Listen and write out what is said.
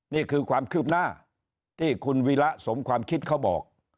นี่คือความคืบหน้าที่คุณวีระสมความคิดเขาบอก